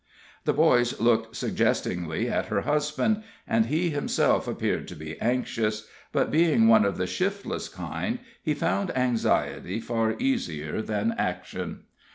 The boys looked suggestingly at her husband, and he himself appeared to be anxious; but being one of the shiftless kind, he found anxiety far easier than action.